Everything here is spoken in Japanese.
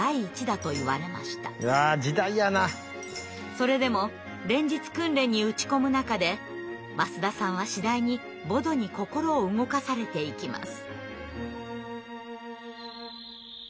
それでも連日訓練に打ち込む中で舛田さんは次第にボドに心を動かされていきます。